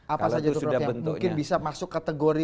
apa saja itu mungkin bisa masuk kategori